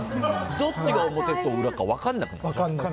どっちが表か裏か分からなくなる。